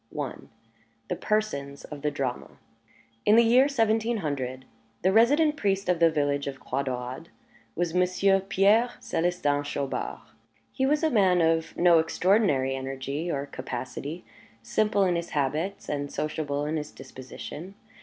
I. THE PERSONS OF THE DRAMA In the year seventeen hundred, the resident priest of the village of Croix Daurade was Monsieur Pierre Célestin Chaubard. He was a man of no extraordinary energy or capacity, simple in his habits, and sociable in his disposition.